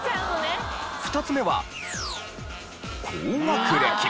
２つ目は高学歴。